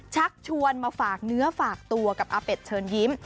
ชักชวนมาฝากเนื้อฝากตัวกับอาเป็ดเชิญยิ้ม